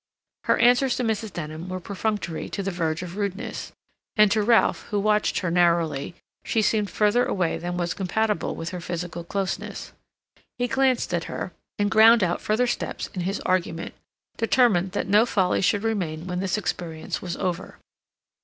Her answers to Mrs. Denham were perfunctory to the verge of rudeness, and to Ralph, who watched her narrowly, she seemed further away than was compatible with her physical closeness. He glanced at her, and ground out further steps in his argument, determined that no folly should remain when this experience was over.